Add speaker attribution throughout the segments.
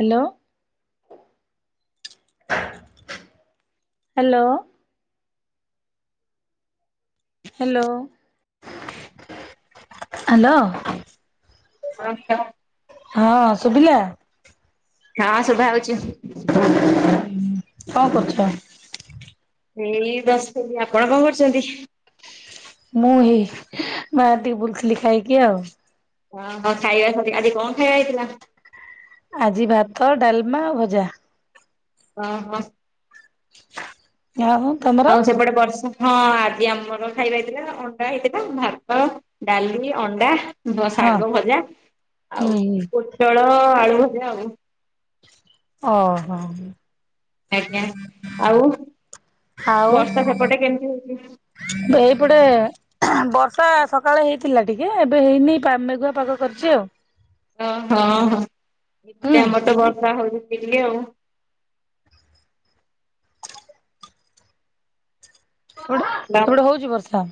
Speaker 1: Hello. Hello. Hello. Hello.
Speaker 2: [unintelligible]
Speaker 1: ହଁ ସୁୁଭିଲା?
Speaker 2: ହଁ ଶୁଭାଯାଉଛି।
Speaker 1: କଣ କରୁଛ?
Speaker 2: ଏଇ ଦଶ କେଜି ଆପଣ କଣ କରୁଛନ୍ତି?
Speaker 1: ମୁଁ ହେଇ ବାହାରେ ଟିକେ ବୁଲୁଥିଲି ଖାଇକି ଆଉ।
Speaker 2: ଓ ହଁ ଖାଇବା ଆଜି କଣ ଖାଇବା ହେଇଥିଲା?
Speaker 1: ଆଜି ଭାତ ଡାଲମା ଆଉ ଭଜା।
Speaker 2: ହ ହଁ।
Speaker 1: ଆଉ ତମର?
Speaker 2: ଆଉ ସେପଟେ ବର୍ଷା ହଁ ଆଜି ଆମର ଖାଇବା ହେଇଥିଲା ଅଣ୍ଡା ହେଇଥିଲା ଭାତ ଡାଲି ଅଣ୍ଡା ହ
Speaker 1: ହଁ।
Speaker 2: ଶାଗ ଭଜା
Speaker 1: ହୁଁ
Speaker 2: ଆଉ
Speaker 1: ହୁଁ
Speaker 2: ପୋଟଳ ଆଳୁ ଭଜା ଆଉ।
Speaker 1: ଓହୋ।
Speaker 2: ଆଜ୍ଞା ଆଉ
Speaker 1: ଆଉ
Speaker 2: ବର୍ଷା ସେପଟେ କେମିତି ହଉଚି?
Speaker 1: ଏଇପଟେ ବର୍ଷା ସକାଳେ ହେଇଥିଲା ଟିକେ ଏବେ ହେଇନି ମେଘୁଆ ପାଗ କରିଛି ଆଉ।
Speaker 2: ଓହଁ ହଁ
Speaker 1: ହୁଁ
Speaker 2: ଏପଟେ ଆମର ତ ବର୍ଷା ହଉଛି ବୋଲି ଆଉ।
Speaker 1: ସେଟେ
Speaker 2: ହେଲା
Speaker 1: ସେଗଟେ ହଉଛି ବର୍ଷା।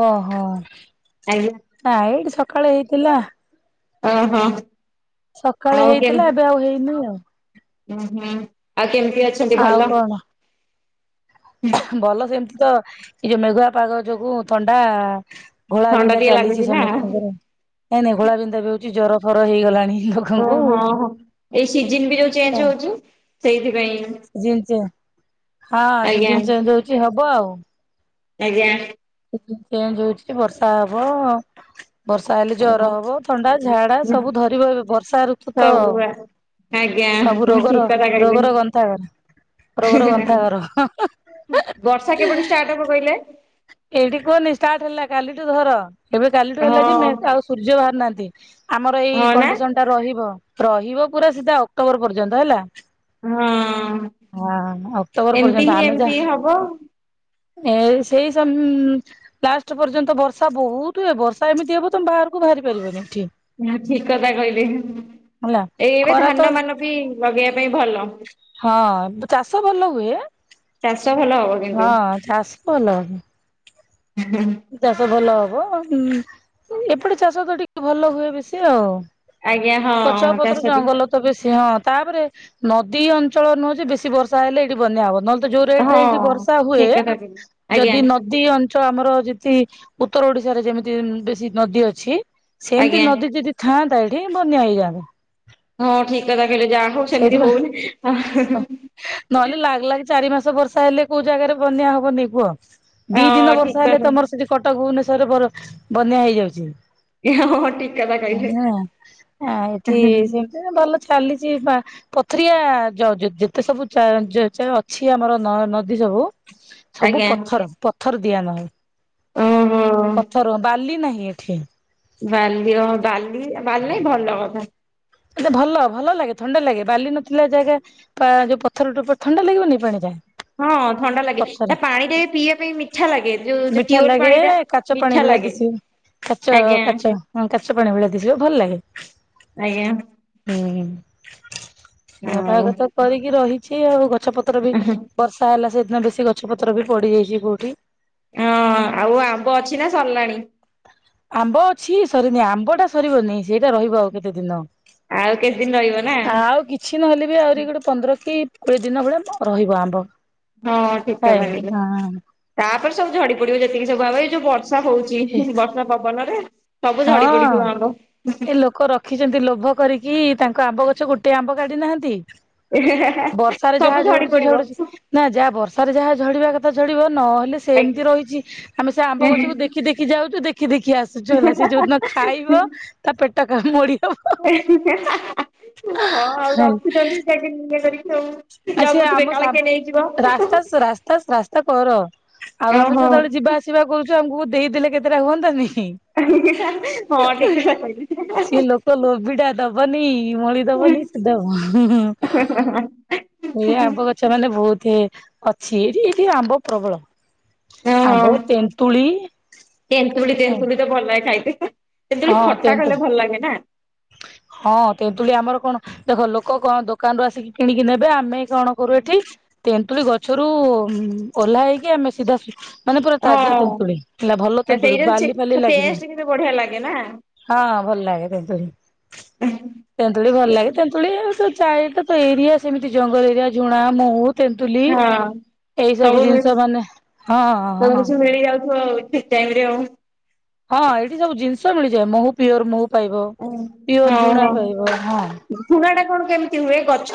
Speaker 1: ଓହୋ।
Speaker 2: ଆଜ୍ଞା।
Speaker 1: ଆ ଏଇଠି ସକାଳେ ହେଇଥିଲା।
Speaker 2: ଓ ହୋ।
Speaker 1: ସକାଳେ ହେଇଥିଲା ଏବେ ଆଉ ହେଇନି ଆଉ।
Speaker 2: ଉଁ ହୁଁ ଆଉ କେମିତି ଅଛି?
Speaker 1: ଆଉ କଣ? ଭଲ ସେମିତି ତ ନି ଯୋଉ ମେଘୁଆ ପାଗ ଯୋଗୁ ଥଣ୍ଡା ଗୋଳା
Speaker 2: ଥଣ୍ଡା
Speaker 1: ବିିନ୍ଧା
Speaker 2: ଟିକେ
Speaker 1: ଚାଲିଛି
Speaker 2: ଲାଗୁଛି ନା
Speaker 1: ସମସ୍ତଙ୍କର। ନାଇଁ ନାଇଁ ଘୋଳାବିନ୍ଧା ବି ହଉଛି ଜର ଫର ହେଇଗଲାଣି। ଲୋକଙ୍କୁ
Speaker 2: ଓହଁ
Speaker 1: ହେଲା।
Speaker 2: ହଁ ଏଇ ସିଜନ ବି ଯୋଉ ଚେଞ୍ଜ ହଉଛି ସେଇଥିପାଇଁ।
Speaker 1: ସିଜନ୍ ହଁ
Speaker 2: ଆଜ୍ଞା
Speaker 1: ସିଜିନ୍ ଚେଞ୍ଚ୍ ହୋଉଛି ହବ ଆଉ।
Speaker 2: ଆଜ୍ଞା।
Speaker 1: ସିଜିନ୍ ଚେଞ୍ଜ ହଉଛି ବର୍ଷା ହବ ବର୍ଷା ହେଲେ ଜର ହବ ଥଣ୍ଡା ଝାଡା ସବୁ ଧରିବ ଏବେ ବର୍ଷା ଋତୁ ତ
Speaker 2: ସବୁ ଆଜ୍ଞା
Speaker 1: ସବୁ
Speaker 2: ଠିକ
Speaker 1: ରୋଗର
Speaker 2: କଥା କହିଲେ
Speaker 1: ରୋଗର ଗନ୍ଥା କରେ। ରୋଗର ଗନ୍ତା ଘର ହଁ ହଁ
Speaker 2: ବର୍ଷା
Speaker 1: ହିଁ
Speaker 2: କେବେଠୁ ଷ୍ଟାର୍ଟ ହବ କହିଲେ
Speaker 1: ଏଇଠି କୁହନି ଷ୍ଟାର୍ଟ ହେଲା କାଲିଠୁ ଧର। ଏବେ କାଲିଠୁ ହେଲା
Speaker 2: ହଁ
Speaker 1: ଯେ ମେସେ ସୂର୍ଯ୍ୟ ବାହାରୁ ନାହାନ୍ତି ଆମର ଏଇ
Speaker 2: ହଁ ନା
Speaker 1: କଣ୍ଡିସନ ତା ରହିବ ରହିବ ପୁରା ସିଧା ଅକ୍ଟୋବର ପର୍ଯ୍ୟନ୍ତ ହେଲା।
Speaker 2: ହଁ
Speaker 1: ହଁ ଅକ୍ଟୋବର
Speaker 2: ଏମିତି ହିଁ
Speaker 1: ପର୍ଯ୍ୟନ୍ତ ଆମେ ଯା
Speaker 2: ଏମିତି ହବ
Speaker 1: ଏ ସେଇ ସମ୍ ଲାଷ୍ଟ ପର୍ଯ୍ୟନ୍ତ ବର୍ଷା ବହୁତ ହୁଏ ବର୍ଷା ଏମିତି ହବ ତମେ ବାହାରକୁ ବାହାରି ପାରିବନି ଏଠି।
Speaker 2: ନା ଠିକ୍ କଥା କହିଲେ
Speaker 1: ହେଲା।
Speaker 2: ଏ ଏବେ
Speaker 1: ଖରା ତ
Speaker 2: ଧାନ ମାନ ବି ଲଗେଇବା ପାଇଁ ଭଲ।
Speaker 1: ହଁ ତ ଚାଷ ଭଲ ହୁଏ।
Speaker 2: ଚାଷ ଭଲ ହବ କିନ୍ତୁ
Speaker 1: ହଁ ଚାଷ ବଲ। ଚାଷ ଭଲ ହବ ଏପଟେ ଚାଷ ତ ଟିକେ ଭଲ ହୁଏ ବେଶୀ ଆଉ।
Speaker 2: ଆଜ୍ଞା ହଁ
Speaker 1: ପଚା ପତ୍ର
Speaker 2: ଚାଷ ବି
Speaker 1: ଜଙ୍ଗଲ ତ ବେଶି ହଁ ତାପରେ ନଦୀ ଅଞ୍ଚଳ ନହଉଛି ବେଶୀ ବର୍ଷା ହେଲେ ଏଇଠି ବନ୍ୟା ହବ ନ ଯୋଉ ରେଟ ରେ
Speaker 2: ହଁ
Speaker 1: ଏଇଠି ବର୍ଷା ହୁଏ
Speaker 2: ଠିକ କଥା କହିଲେ ଆଜ୍ଞା
Speaker 1: ଯଦି ନଦୀ ଅନ୍ ଚ ଆମର ଯେତି ଉତ୍ତର ଓଡିଶାରେ ଯେମିତି ବେଶୀ ନଦୀ ଅଛି ସେମିତି
Speaker 2: ଆଜ୍ଞା।
Speaker 1: ନଦୀ ଯଦି ଥାନ୍ତା ଏଇଠି ବନ୍ୟା ହେଇଯାନ୍ତା।
Speaker 2: ହଁ ଠିକ୍ କଥା କହିଲେ ଯାହା ହଉ ସେମିତି
Speaker 1: ସେଇଥିପାଇଁ
Speaker 2: ହଉନି ଆ ହା-ହା
Speaker 1: ନହେଲେ ଲାଗ୍ ଲାଗି ଚାରି ମାସ ବର୍ଷା ହେଲେ କୋଉ ଜାଗାରେ ବନ୍ୟା ହବନି କୁହ? ଦି ଦିନ
Speaker 2: ହଁ
Speaker 1: ବର୍ଷା
Speaker 2: ଠିକ
Speaker 1: ହେଲେ
Speaker 2: କଥା।
Speaker 1: ତମର ସେଠି କଟକ ଭୁବନେଶ୍ଵରରେ ବର ବନ୍ୟା ହେଇଯାଉଚି।
Speaker 2: ହଁ ଠିକ କଥା କହିଲେ
Speaker 1: ହଁ ଆ ଏଠି ସେମତି ଭଲ ଚାଲିଛି ପା ପଥରିଆ ଯ ଯେତେ ଯ ସବୁ ଅଛି ଆମର ନଦୀ ସବୁ ସବୁ
Speaker 2: ଆଜ୍ଞା
Speaker 1: ପଥର ପଥର ଦିଆ ନହଉ
Speaker 2: ଓହୋ।
Speaker 1: ପଥର ବାଲି ନାହିଁ ଏଠି।
Speaker 2: ବାଲିଅ ବାଲି ବାଲି ନାଇଁ ଭଲ କଥା।
Speaker 1: ଏତେ ଭଲ ଭଲ ଲାଗେ ଥଣ୍ଡା ଲାଗେ ବାଲି ନଥିଲା ଜାଗା ପା ଯୋଉ ପଥର ଟୋ ଥଣ୍ଡା ଲାଗିବନି ପାଣି ଟା।
Speaker 2: ହଁ ଥଣ୍ଡା ଲାଗେ
Speaker 1: ପଥର
Speaker 2: ତା ପାଣି ଟା ପିଇ ପାଇଁ ମିଠା ଲାଗେ ଯୋଉ
Speaker 1: ମିଠା
Speaker 2: ଟ୍ୟୁଲ୍
Speaker 1: ଲାଗେ
Speaker 2: ପାଣି ଟା।
Speaker 1: କାଚ ପାଣି
Speaker 2: ମିଠା
Speaker 1: ଭଳିଆ
Speaker 2: ଲାଗେ
Speaker 1: ଦିଶିବ କାଚ
Speaker 2: ଆଜ୍ଞା
Speaker 1: କାଚ ହଁ କାଚ ପାଣି ଭଳିଆ ଦିଶିବ ଭଲ ଲାଗେ।
Speaker 2: ଆଜ୍ଞା।
Speaker 1: ହୁଁ
Speaker 2: ଆଉ
Speaker 1: ନଆପହାଗ ତ କରିକି ରହିଛି ଆଉ ଗଛ ପତ୍ର ବି ବର୍ଷା ହେଲା ସେଦିନ ବେଶୀ ଗଛ ପତ୍ର ବି ପଡିଯାଇଛି କୋଉଠି?
Speaker 2: ହଁ ଆଉ ଆମ୍ବ ଅଛି ନା ସର୍ଲାନି
Speaker 1: ଆମ୍ବ ଅଛି ସରିନି ଆମ୍ବ ଟା ସରିବନି ସେଇଟା ରହିବ କେତେ ଦିନ
Speaker 2: ଆଉ କେତେ ଦିନ ରହିବ ନା
Speaker 1: ଆଉ କି କିଛି ନହେଲେ ବି ଆହୁରି ଗୋଟେ ପନ୍ଦର କି କୋଡ଼ିଏ ଦିନ ଭଳିଆ ରହିବ ଆମ୍ବ।
Speaker 2: ହଁ ଠିକ କଥା
Speaker 1: ପାଏ ହଁ
Speaker 2: କହିଲେ।
Speaker 1: [unintelligible]
Speaker 2: ତାପରେ ସବୁ ଝଡ଼ି ପଡ଼ିବ ଯେତିକି ସବୁ ଭାବ ଏଇ ଯୋଉ ବର୍ଷା ହଉଛି
Speaker 1: ଏ
Speaker 2: ବର୍ଷା ପବନରେ ସବୁ ଝଡ଼ି ପଡ଼ିଥିବ ଆମ୍ବ
Speaker 1: ରଖିଚନ୍ତି ଲୋଭ କରିକି ତାଙ୍କ ଆମ୍ବ ଗଛକୁ ଗୋଟେ ଆମ୍ବ କାଢି ନାହାନ୍ତି। ବର୍ଷାରେ ଯାହା
Speaker 2: ସବୁ ଝଡି
Speaker 1: ଝଡ଼ୁଚି
Speaker 2: ପଡିବ।
Speaker 1: ଝଡ଼ୁଚି ନା ଯାହା ବର୍ଷାରେ ଯାହା ଝଡ଼ିବା କଥା ଝଡ଼ିବ ନହେଲେ ସେମିତି ରହିଚି ଆମେ ସେଆମ୍ବ ଗଛକୁ ଦେଖ୍ ଦେଖି ଯାଉଚୁ ଦେଖି ଦେଖି ଆ
Speaker 2: ଏହେ- ହା-ହା
Speaker 1: ଖାଇବ ତା ପେଟ କାମୁଡ଼ି
Speaker 2: ହା-ହା-ହଁ ଆଉ ରଖୁଚନ୍ତି ଯାଇକି ନିଜେ କରିକି ଆଉ।
Speaker 1: ଆଉ ସିଏ
Speaker 2: ଜଗୁଥିବେ
Speaker 1: ଆମ
Speaker 2: କାଳେ କିଏ ନେଇଯିବ।
Speaker 1: ସାନ ରାସ୍ତା ରାସ୍ତା ରାସ୍ତା କର ଆଉ ଆମେ
Speaker 2: ଓହୋ
Speaker 1: ସେତେବେଳେ ଯିବା ଆସି ସିବା କରୁଚୁ ଆମକୁ ଦେଇଦେଲେ କେତେଟା ହୁଅନ୍ତାନି।
Speaker 2: ହଁ ଠିକ କଥା କହିଲୁ।
Speaker 1: ସିଏ ଲୋକ ଲୋଭିଟା ଦବନି ମଳି ଦବନି। ସେ ଦବ ହୁ ହୁ। ଏଇ ଆମ୍ବ ଗଛ ମାନେ ବହୁତ୍ ଅଛି ଏଠି ଏଠି ଆମ୍ବ ପ୍ରବଳ। ଆମ୍ବ
Speaker 2: ଓହୋ
Speaker 1: ତେନ୍ତୁଳି।
Speaker 2: ତେନ୍ତୁଳି ତେନ୍ତୁଳିତ ଭଲ ଲାଗେ ଖାଇତେ ତେନ୍ତୁଳି
Speaker 1: ହଁ
Speaker 2: ଖଟା
Speaker 1: ତେନ୍ତୁ
Speaker 2: କଲେ ଭଲ ଲାଗେନା।
Speaker 1: ହଁ ତେନ୍ତୁଳି ଆମର କଣ ଦେଖ ଲୋକ କଣ ଦୋକାନରୁ ଆସିକି କିଣିକି ନେବେ ଆମେ କଣ କରୁ ଏଠି ତେନ୍ତୁଳି ଗଛରୁ ଓହ୍ଲା ହେଇକି ଆମେ ସିଧା ମାନେ ପୁରା ତାଜା
Speaker 2: ହଁ।
Speaker 1: ତେନ୍ତୁଳି ହେଲା ଭଲ
Speaker 2: ନା
Speaker 1: ତେନ୍ତୁଳି ବାଲି ଫାଲି ଲାଗିବନି।
Speaker 2: କିନା
Speaker 1: ହଁ ଭଲ ଲାଗେ ତେନ୍ତୁଳି।
Speaker 2: [inaudible]
Speaker 1: ତେନ୍ତୁଳି ଭଲ ଲାଗେ ତେନ୍ତୁଳି ଚାରିଟା ତ ଏରିଆ ସେମିତି ଜଙ୍ଗଲ ଏରିଆ ଝୁଣା ମହୁ ତେନ୍ତୁଲି
Speaker 2: ହଁ
Speaker 1: ଏଇ ସବୁ ଜିନିଷ ମାନେ ହଁ ହଁ ହଁ।
Speaker 2: ଖେଳି ଯାଉଥିବ [unintelligible] ଟାଇମିରେ ଆଉ
Speaker 1: ହଁ ଏଇଠି ସବୁ ଜିନିଷ ମିଳିଯାଏ ମହୁ ପିଓର ମହୁ ପାଇବ ପିଓର ଝୁଣା ପାଇବ ହଁ।
Speaker 2: ଝୁଣାଟା କଣ କେମିତି ହୁଏ ଗଛ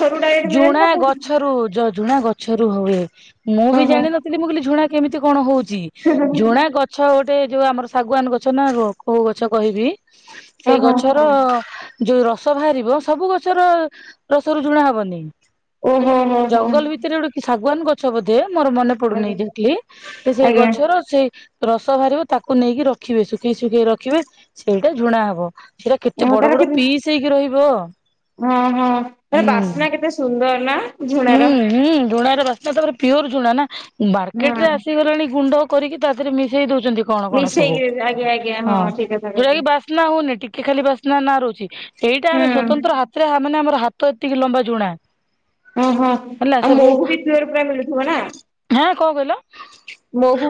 Speaker 1: ଝୁଣା ଗଛରୁ ଝ ଝୁଣା ଗଛରୁ ହୁଏ ମୁଁବି
Speaker 2: ଓହୋ
Speaker 1: ଜାଣିନ ମୁଁ କହିଲି ଝୁଣା କେମିତି କଣ ହଉଚି ଝୁଣା ଗ ଗଛ ଗୋଟେ ଯୋଉ ଆମର ଶାଗୁଆନ ଗଛନା କୋଉ ଗଛ କହିବି ସେଇ
Speaker 2: ଓହୋ
Speaker 1: ଗଛର ଯୋଉ ରସ ବାହାରିବ ସବୁ ଗଛର ରସରୁ ଝୁଣା ହବନି।
Speaker 2: ଓହୋ ହୋ ହଁ।
Speaker 1: ସେଥିରେ ଗୋଟେକି ଶାଗୁଆନ ଗଛ ବୋଧେ ମୋର ମନେ ପଡ଼ୁନି
Speaker 2: ଆଜ୍ଞା
Speaker 1: ଜା ସେଇ
Speaker 2: ଆଜ୍ଞା
Speaker 1: ଗଛର ସେଇ ରସ ବାହାରିବ ତାକୁ ନେଇକି ରଖିବେ ଶୁଖେଇ ଶୁଖେଇ ରଖିବେ ସେଇଟା ଝୁଣା ହବ। ସେଟା କେତେ
Speaker 2: ମୁଁ
Speaker 1: ବଡ଼
Speaker 2: ତାର
Speaker 1: ବଡ଼
Speaker 2: କେବେ
Speaker 1: ପିସ୍ ହେଇକି ରହିବ।
Speaker 2: ହଁ ହଁ ତାରେ
Speaker 1: ହୁଁ
Speaker 2: ବାସ୍ନା କେତେ ସୁନ୍ଦର ନା।
Speaker 1: ହୁଁ
Speaker 2: ଝୁଣାର।
Speaker 1: ହୁଁ ଝୁଣାରେ ବାସ୍ନାଟା ତାପରେ ପିଓର ଝୁଣାନା
Speaker 2: ହଁ
Speaker 1: ମାର୍କେଟରେ ଆସିଗଲାଣି ଗୁଣ୍ଡ କରିକି ତାଦେହରେ ମିଶେଇ ଦଉଚନ୍ତି କଣ କଣ ସବୁ
Speaker 2: ମିଶେଇକି ଆଜ୍ଞା ଆଜ୍ଞା
Speaker 1: ହଁ
Speaker 2: ଠିକ କଥା
Speaker 1: ଯଉଟାକି
Speaker 2: କହିଲେ
Speaker 1: ବା ବାସ୍ନା ହଉନି ଟିକେ ଖାଲି ବାସ୍ନାନା ରହୁଚି ସେଇଟା ଆମେ
Speaker 2: ହୁଁ।
Speaker 1: ସ୍ୱତନ୍ତ୍ର ହାତରେ ମାନେ ଆମ ହାତ ତ ଏତିକି ଲମ୍ବା ଜୁଣା।
Speaker 2: ଓ ହଁ ଆଉ ମୋହୁବି ପିଓର ପୁରା ମିଳୁଥିବନା।
Speaker 1: ହଁ କଣ କହିଲ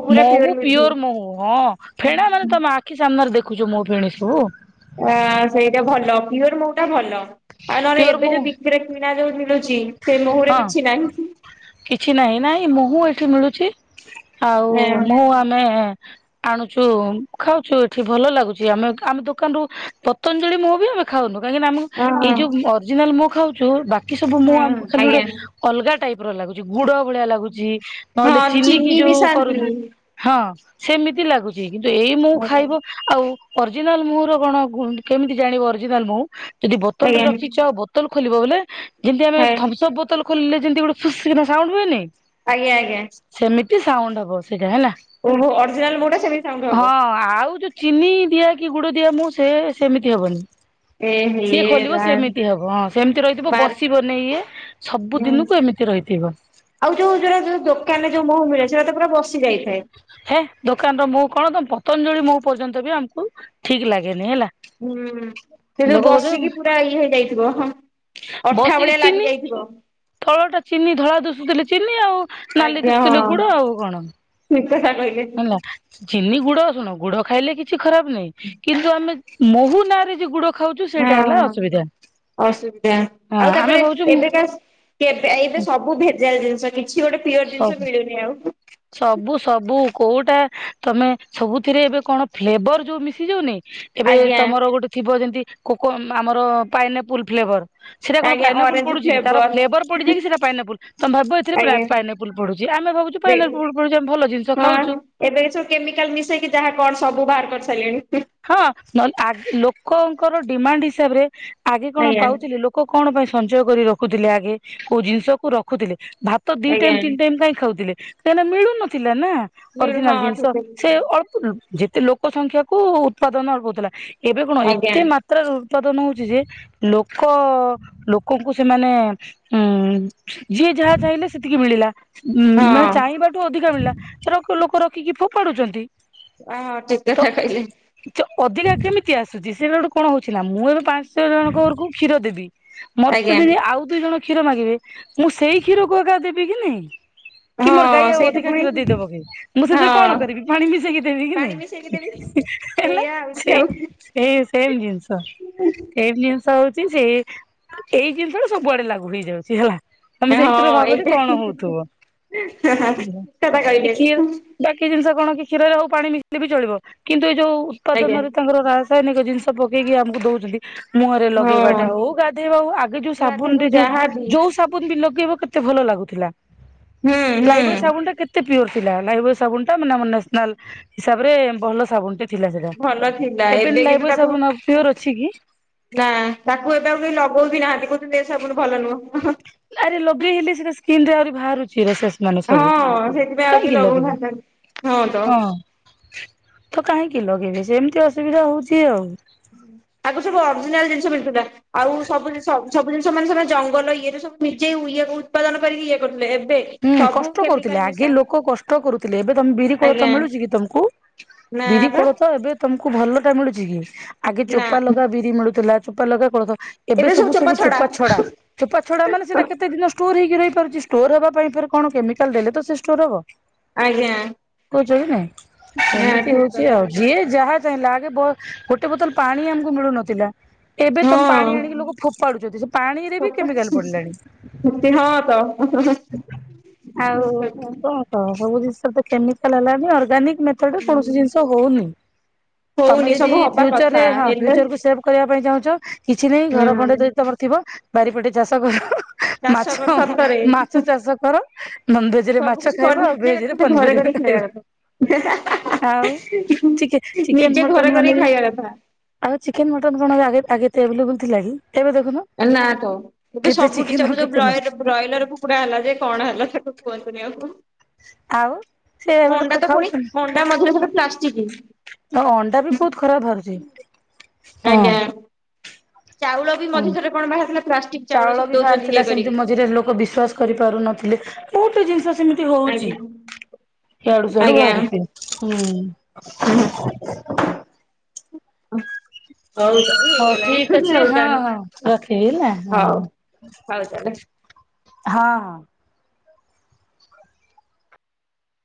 Speaker 2: ପୁରା
Speaker 1: ମହୁ
Speaker 2: ମିଳୁଥିବ।
Speaker 1: ପିଓର ମହୁ ହଁ ଫେଣା ମାନେ ତମେ ଆ ଆଖି ସାମ୍ନାରେ ଦେଖୁଚୁ ମୋହୁ ଫେଣୀ ସବୁ।
Speaker 2: ଆ ସେଇଟା ଭଲ ପିଓର ମୋହୁଟା ଭଲ ଆଉ ନହଲେ
Speaker 1: ପିଓର
Speaker 2: ଏବେ
Speaker 1: ମହୁ
Speaker 2: ଯୋଉ ବିକ୍ରିରେ କିଣା ଯୋଉ ମିଳୁ ଚି ସେମୁହୁଁରେ
Speaker 1: ହଁ
Speaker 2: କିଛି ନାହିଁ।
Speaker 1: କିଛି ନାହିଁ ନାଇଁ ମହୁ ଏଠି ମିଳୁଛି ଆଉ
Speaker 2: ଏଁ
Speaker 1: ମହୁ ଆମେ ଆଣୁଛୁ ଖାଉଛୁ ଏଠି ଭଲ ଲାଗୁଛି ଆମେ ଆମ ଦୋକାନ ରୁ ପତଞ୍ଜଳି ମହୁ ବି ଖାଉନୁ କାହିଁକିନା ଆମୁ
Speaker 2: ହଁ
Speaker 1: ଏଇ
Speaker 2: ହଁ
Speaker 1: ଯୋଉ ଅରିଜିନାଲ ମହୁ ଖାଉଛୁ ବାକି ସବୁ ମହୁ
Speaker 2: ହୁଁ
Speaker 1: ଆମକୁ ଖାଲି ଗୋଟେ
Speaker 2: ଆଜ୍ଞା।
Speaker 1: ଅଲଗା ଟାଇପ ର ଲାଗୁଛି ଗୁଡ ଭଳିଆ ଲାଗୁଛି ନହେଲେ
Speaker 2: ହଁ
Speaker 1: ଚିନି କିି ଯୋଉ
Speaker 2: ମିଶାନ୍ତି
Speaker 1: କରନ୍ତି ହଁ ସେମିତି ଲାଗୁଛି କିନ୍ତୁ ଏଇ ମହୁ
Speaker 2: ଆଜ୍ଞା
Speaker 1: ଖାଇବ ଆଉ ଅରିଜିନାଲ ମହୁ ର କଣ କେମିତି ଜାଣିବ ଅରିଜିନାଲ ମହୁ ଯଦି ବୋତଲ ରେ
Speaker 2: ଆଜ୍ଞା
Speaker 1: ରଖିଚ ବୋ ବୋତଲ ଖୋଲିବ ବଲେ ଯେମତିଆମେ
Speaker 2: ହଁ।
Speaker 1: ଥମଶ୍ ଅପ୍ ବୋତଲ ଖୋଲିଲେ ଯେମତି ଗୋଟେ ଫୁସ୍ କିନା ସାଉଣ୍ଡ ହୁଏନି।
Speaker 2: ଆଜ୍ଞା ଆଜ୍ଞା।
Speaker 1: ସେମିତି ସାଉଣ୍ଡ ହବ ସେଇଟା ହେଲା।
Speaker 2: ଓହୋ ଅରିଜିନାଲ ମହୁ ଟା ସେମିତି ସାଉଣ୍ଡ ହବ।
Speaker 1: ହଁ ଆଉ ଯୋଉ ଚିନି ଦିଆ କି ଗୁଡ ଦିଆ ମୁଁ ସେ ସେମିତି ହବନି।
Speaker 2: ଏ ହେ
Speaker 1: ସିଏ ଖୋଲିବ
Speaker 2: ରାମ।
Speaker 1: ସେମିତି ହବ ହଁ ସେମିତି ରହିଥିବ
Speaker 2: ବାର
Speaker 1: ବସିବନି ଇଏ ସବୁ
Speaker 2: ହୁଁ
Speaker 1: ଦିନକୁ ଏମି ତି ରହିଥିବ।
Speaker 2: ଆଉ ଯୋଉ ଯୋଉରା ଦୋକାନରେ ଯୋଉ ମହୁ ମିଳେ ସେଇଟା ତ ପୁରା ବସି ଯାଇଥାଏ।
Speaker 1: ହେ ଦୋକାନ ର ମହୁ କଣ ତମ ପତଞ୍ଜଳି ମହୁ ପର୍ଯ୍ୟନ୍ତ ବି ଆମକୁ ଠିକ ଲାଗେନି ହେଲା।
Speaker 2: ହୁଁ ସେ ଯୋଉ
Speaker 1: ଲୋକ କହୁଛନ୍ତି
Speaker 2: ବସିକି ପୁରା ଇଏ ହେଇଯାଇଥିବ। ଅଠା ଭଳିଆ ଲାଗିଯାଇଥିବ।
Speaker 1: ତଳଟା ଚିନି ଧଳା ଦିଷୁଥିଲେ ଚିନି ଆଉ ନାଲି ଦିଷୁଥିଲେ ଗୁଡ ଆଉ କଣ।
Speaker 2: ଯାହା କହିଲେ।
Speaker 1: ହେଲା। ଚିନି ଗୁଡ ଶୁଣ ଗୁଡ ଖାଇଲେ କିଛି ଖରାପ ନାହିଁ କିନ୍ତୁ ଆମେ ମହୁ ନାଁରେ ଯୋଉ ଗୁଡ ଖାଉଛୁ ସେଇଟା ହେଲା ଅସୁବିଧା
Speaker 2: ହଁ ଅସୁବିଧା ଆଉ
Speaker 1: ହଁ ଆମେ
Speaker 2: ତାପରେ
Speaker 1: ଭାବୁଛୁ
Speaker 2: ଏବେକା କେବେ ଏବେ ସବୁ ଭେଜାଲ ଜିନିଷ କିଛି ଗୋଟେ ପିଓର
Speaker 1: ସ
Speaker 2: ଜିନିଷ ମିଳୁନି ଆଉ।
Speaker 1: ସବୁ ସବୁ କୋଉଟା ତମେ ସବୁଥିରେ ଏବେ କଣ ଫ୍ଲେବର ଯୋଉ ମିଶି ଯାଉନି ଏବେ
Speaker 2: ଆଜ୍ଞା।
Speaker 1: ତମର ଗୋଟେ ଥିବ ଯେମିତି କୋକୋ ଆମର ପାଇନା ଆପୁଲ ଫ୍ଲେଭର। ସେଇଟା କଣ
Speaker 2: ଆଜ୍ଞା
Speaker 1: ପାଇନା ଆପ୍ପଲ
Speaker 2: ଅରେଞ୍ଜ
Speaker 1: ପଡୁଛି କି ତାର
Speaker 2: ଫ୍ଲେବର
Speaker 1: ଫ୍ଲେଭର ପଡିଯାଇ କି ସେଟା ପାଇନା ଆପ୍ପଲ ତମେ ଭିବିବ ଏଥିରେ
Speaker 2: ଆଜ୍ଞା
Speaker 1: ପାଇନା ପାଇନା ଆପ୍ପଲ ପଡୁଛି ଆମେ ଭାବୁୁଛୁ
Speaker 2: ଦେ
Speaker 1: ପାଇନା ଆପ୍ପଲ ପଡୁଛି ଆମେ ଭଲ ଜିନିଷ ଖାଉଛୁ।
Speaker 2: ହଁ ଏବେ ଏଇ ସବୁ କେମିକାଲ ମିଶେଇକି ଯାହା କଣ ସବୁ ବାହାର କରି ସାରିଲେଣି।
Speaker 1: ହଁ ନହେଲେ ଲୋକଙ୍କର ଡିମାଣ୍ଡ ହିସାବରେ ଆଗେ କଣ
Speaker 2: ଆଜ୍ଞା
Speaker 1: ପାଉଥିଲେ ଲୋ ଲୋକ କଣ ପାଇଁ ସଞ୍ଚୟ କରି ରଖୁଥିଲେ ଆଗେ କୋଉ ଜିନିଷ କୁ ରଖୁଥିଲେ ଭା ତ ଦି ଟାଇମ୍ ତିନି
Speaker 2: ଆଜ୍ଞା
Speaker 1: ଟାଇମ୍ କାଇଁ ଖାଉଥିଲେ କାହିଁକିନା ମିଳୁନଥିଲା ନା।
Speaker 2: ହଁ
Speaker 1: ଅରିଜିନାଲ ଜିନିଷ
Speaker 2: ଠିକ ଅଛି।
Speaker 1: ସେ ଅଳ୍ପ ଯେତେ ଲୋକ ସଂଖ୍ୟା କୁ ଉତ୍ପାଦନ ହଉଥିଲା। ଏବେ କଣ
Speaker 2: ଆଜ୍ଞା
Speaker 1: ଏତେ ମାତ୍ରାରେ ଉତ୍ପାଦନ ହଉଛି ଯେ ଲୋକ ଲୋକଙ୍କୁ ସେମାନେ ହୁଁ ଯିଏ ଯାହା ଚାହିଁଲେ ସେତିକି ମିଳିଲା। ଉଁ ମାନେ
Speaker 2: ହଁ
Speaker 1: ଚାହିଁବାଠୁ ଅଧିକା ମିଳିଲା ସେ ଲୋକ ରଖିକି ଫୋପାଡୁଛନ୍ତି।
Speaker 2: ହଁ ଠିକ
Speaker 1: ତ
Speaker 2: କଥା କହିଲେ।
Speaker 1: ଅଧିକା କେମିତି ଆସୁଛି ସେଟା ଗୋଟେ କଣ ହଉଛି ନା ମୁଁ ଏବେ ପାଞ୍ଚ ପାଞ୍ଚ ଜଣଙ୍କ ଘରକୁ କ୍ଷୀର ଦେବି ମତେ
Speaker 2: ଆଜ୍ଞା
Speaker 1: ଯଦି ଆଉ ଦିଇ ଜଣ କ୍ଷୀର ମାଗିବେ ମୁଁ ସେଇ କ୍ଷୀରକୁ ଆଗା ଦେବି କି ନାଇ। କି ମୋର
Speaker 2: ହଁ
Speaker 1: ଗାଈ ଆଉ
Speaker 2: ସେଇଠୁ
Speaker 1: ଅଧିକା
Speaker 2: ପୁଣି
Speaker 1: କ୍ଷୀର ଦେଇଦବ କି ମୁଁ ସେଥିରେ କଣ
Speaker 2: ହଁ
Speaker 1: କରିବି ପାଣି ମିଶେଇକି ଦେବି କି
Speaker 2: ପାଣି ମିଶେଇକି ଦେବି।
Speaker 1: ନାଇଁ। ହେଲା
Speaker 2: ସେଇଆ ହଉଛି
Speaker 1: ସେଇ
Speaker 2: ଆଉ
Speaker 1: ସେଇ ସେମ ଜିନିଷ। ସେମ ଜିନିଷ ହଉଛି ସେ ଏଇ ଜିନିଷଟା ସବୁଆଡେ ଲାଗୁ ହେଇଯାଉଛି ହେଲା। ତମେ ସେଇଥିରେ
Speaker 2: ହଁ
Speaker 1: ଭାବଯେ
Speaker 2: ଏଇଟା
Speaker 1: କଣ
Speaker 2: ଠିକ୍
Speaker 1: ହଉଥିବ,
Speaker 2: କଥା କହିଲେ
Speaker 1: [unintelligible] ବାକି ଜିନିଷ କଣ କି କ୍ଷୀରରେ ହଉ ପାଣି ମିଶେଇଲେ ବି ଚଳିବ କିନ୍ତୁ ଏଇ ଯୋଉ
Speaker 2: ଆଜ୍ଞା
Speaker 1: ଉତ୍ପାଦନରେ ତାଙ୍କର ରା ରାସାୟନିକ ଜିନିଷ ପକେଇକି ଆମକୁ ଦଉଛନ୍ତି। ମୁହରେ
Speaker 2: ହଁ
Speaker 1: ଲଗେଇବାଟା ହଉ ଗାଧେଇବା ହଉ ଆଗେ ଯୋଉ ସାବୁନୁ
Speaker 2: ଗାଧେଇବା
Speaker 1: ରେ ଯୋଉ
Speaker 2: ଯାହାବି
Speaker 1: ଯୋଉ। ସାବୁନୁ ବି ଲଗେଇବ କେତେ ଭଲ ଲାଗୁଥିଲା
Speaker 2: ହୁଁ ହୁଁ
Speaker 1: ଲାଇବୋ ସାବୁନୁ ଟା କେତେ ତ ପିଓର ଥିଲା ଲାଇବୋ ସାବୁନ୍ ଟା ମାନେ ଆମ ନ୍ୟସନାଲ ହିସାବରେ ଭଲ ସାବୁନ୍ ଟେ। ଥିଲା ସେଟା
Speaker 2: ଭଲ ଥିଲା
Speaker 1: ଏବେ
Speaker 2: କିନ୍ତୁ ତାକୁ
Speaker 1: ଲାଇବୋସାବୁନ୍ ଆଉ ପିଓର ଅଛି କି?
Speaker 2: ନା ତାକୁ ଏବେ ଆଉ କେହି ଲଗଉ ବିି ନାହାନ୍ତି କହୁଛନ୍ତଏ ସାବୁନ ଭଲ ନୁହଁ।
Speaker 1: ଆରେ ଲଗେଇ ହେଲେ ସିନା ସ୍କିିନ୍ ରୁ ଆହୁରି ବାହାରୁଚି ରସ। ମାନେ ସବୁ
Speaker 2: ହଁ ସେଥିପାଇଁ
Speaker 1: ତ
Speaker 2: ଆଉ କେହି
Speaker 1: କାହିଁକି
Speaker 2: ଲଗଉନାହାନ୍ତି
Speaker 1: ଲଗେଇବୁ
Speaker 2: ତ
Speaker 1: ହଁ। ତ କାହିଁକି ଲଗେଇବେ ସେମତି ଅସୁବିଧା ହୋଉଚି ଆଉ।
Speaker 2: ତାକୁ ସବୁ ଅରିଜିନାଲ ଜିନିଷ ମିଳୁଥିଲା। ଆଉ ସବୁ ସବୁ ଜିନିଷ ମାନେ ସେମାନେ ଜଙ୍ଗଲ ଇଏରେ ସବୁ ନିଜେ ଇଏ ଉତ୍ପାଦନ କରିକି ଇଏ କରୁଥିଲେ ଏବେ
Speaker 1: ହୁଁ
Speaker 2: ସବୁ
Speaker 1: କଷ୍ଟ କରୁଥିଲେ
Speaker 2: କେମିକାଲ
Speaker 1: ଆଗେ
Speaker 2: ମିଶା
Speaker 1: ଲୋକ କଷ୍ଟ କରୁଥିଲେ ଏବେ ତମେ ବିରି
Speaker 2: ଆଜ୍ଞା
Speaker 1: କୋଳଥ ମିଳୁଛି କି ତମକୁ?
Speaker 2: ନା
Speaker 1: ବିରି
Speaker 2: ବା
Speaker 1: କୋଳଥ ଏବେ ତମକୁ ଭଲଟା ମିଳୁଛି କି ଆଗେ
Speaker 2: ନା
Speaker 1: ଚୋପା ଲଗା ବିରି ମିଳୁଥିଲା ଚୋପା ଲଗା କୋଳଥ। ଏବେ ସବୁ ସବୁ ଚୋପା ଛଡା ଚୋପା ଛଡା ମାନ ସେଟା କେତେ ଦିନ ଷ୍ଟୋର ହେଇକି ରହିପାରୁଛି ଷ୍ଟୋର ହବା ପ ପରେ ପରେ କଣ କେମିକାଲ ଦେଲେ ତ ସେ ଷ୍ଟୋର ହବ।
Speaker 2: ଆଜ୍ଞା।
Speaker 1: କହୁଛକି ନାଇ
Speaker 2: ନା
Speaker 1: ସେମିତି
Speaker 2: ଠିକ
Speaker 1: ହଉଛି
Speaker 2: କଥା
Speaker 1: ଆଉ
Speaker 2: କହିଲେ
Speaker 1: ଯିଏ ଯାହା ଚାହିଁଲା ଆଗେ ଗୋଟେ ବୋତଲ ପାଣି ଆମକୁ ମିଳୁନଥିଲା। ଏବେ ତମେ ପାଣି
Speaker 2: ହଁ
Speaker 1: ଆଣିକି ଲୋକ ଫୋପାଡୁଚନ୍ତି ସେ ପାଣିରେ ବି କେମିକାଲ୍ ପଡିଲାଣି।
Speaker 2: ଏମିତି ହଁ ତ। ଠିକ
Speaker 1: ଆଉ
Speaker 2: କଥା
Speaker 1: କଣ କହ ସବୁ ଜିନିଷର ତ କେମିକାଲ୍ ହେଲାନି ଅର୍ଗାନିକ୍ ମତ ସେଉଟୁ
Speaker 2: ହୁଁ
Speaker 1: କୌଣସି ଜିନିଷ ହଉନି। ତମେ
Speaker 2: ହଉନି
Speaker 1: ଯଦି
Speaker 2: ସବୁ ହବା
Speaker 1: ଫିୟୁଚର ରେ
Speaker 2: କଥା
Speaker 1: ହଁ
Speaker 2: ହେଲେ
Speaker 1: ଫିୟୁଚର କିଛି ସେଭ୍ କରିବା ପାଇଁ ଚାହୁଁଚ କିଛି ନାହିଁ
Speaker 2: ହୁଁ
Speaker 1: ଘର ଖଣ୍ଡେ ଯ ତମର ଥିବ ବାରିପଟେ ଚାଷ କରିଵ
Speaker 2: ଚାଷ କର
Speaker 1: ମାଛ
Speaker 2: ସତରେ
Speaker 1: ମା। ସେ ଚାଷ କର ନନ୍ ଭେଜ୍ ରେ
Speaker 2: ସବୁ
Speaker 1: ମାଛ
Speaker 2: କିଛି କରି
Speaker 1: ଖାଇବ ଆଉ
Speaker 2: ନିଜେ
Speaker 1: ଭେଜ୍ ରେ
Speaker 2: ଘରେ କରି
Speaker 1: ପନିପରିବା
Speaker 2: ଖାଇବା
Speaker 1: ଖାଇବ।
Speaker 2: କଥା
Speaker 1: ଆଉ ଚିକେ ଚିକେନ୍
Speaker 2: ନିଜେ ଘରେ
Speaker 1: ମଟନ୍
Speaker 2: କରିକି
Speaker 1: ମାନେଆଉ।
Speaker 2: ଖାଇବା କଥା।
Speaker 1: ଆଉ ଚିକେନ୍ ମଟନ୍ କଣ ଆ ଆଗେ ଏତେ ଏଭେଲେବୁଲ୍ ଥିଲା କି ଏବେ ଦେଖନୁ।
Speaker 2: ନା ତ ସବୁଠି ସବୁତ
Speaker 1: କେତେ
Speaker 2: ବ୍ଲାକରେ
Speaker 1: ମଟନ
Speaker 2: ବି୍ ବ୍ରଏଲର୍ କୁକୁଡା ହେଲା ଯେ କଣ ହେଲା ସେଠୁ କୁହନ୍ତୁନି ଆଉ।
Speaker 1: ଆଉ ସେ ଏବେ ଲୋକ
Speaker 2: ଅଣ୍ଡା ତ ପୁଣି
Speaker 1: ଖାଉଛନ୍ତି
Speaker 2: ଆଣ୍ଡା ମଝିରେ ଗୋଟେ ପ୍ଲାଷ୍ଟିକ୍।
Speaker 1: ଆଉ ଅଣ୍ଡା ବି ବହୁତ୍ ଖରାପ୍ ବାହାରୁଚି।
Speaker 2: ଆଜ୍ଞା ଚାଉଳ ବି
Speaker 1: ହଁ।
Speaker 2: ମଝି ଥରେ କଣ ବାହାରି ଥିଲା ପ୍ଲାଷ୍ଟିକ୍ ଚାଉଳ ସବୁ
Speaker 1: ବି
Speaker 2: ଦଉଚନ୍ତି
Speaker 1: ବାହାରିଥିଲା
Speaker 2: ଇଏ
Speaker 1: ସେମିତି
Speaker 2: କରିକି।
Speaker 1: ମଝିରେ ଲୋକ ବିଶ୍ୱାସ୍ କରିପାରୁନଥିଲେ ବହୁତ ଜିନିଷ ସେମିତି ହଉଚି
Speaker 2: ଆଜ୍ଞା।
Speaker 1: ୟାଡ଼ୁ ସିଆଡ଼ୁ
Speaker 2: ଆଜ୍ଞା
Speaker 1: ବାହାରୁଚି। ହୁଁ।
Speaker 2: ହୁଁ। [inaudible]
Speaker 1: ହଉ
Speaker 2: ହେଇଗଲାଣି
Speaker 1: ଠିକ୍ ଅଛି
Speaker 2: ଆଉ
Speaker 1: ହଁ
Speaker 2: ତାହେଲେ।
Speaker 1: ହଁ ରଖିଲି ନାଁ ହଁ
Speaker 2: ହଉ ହଉ
Speaker 1: ହଁ।
Speaker 2: ତାହେଲେ।
Speaker 1: ହଁ।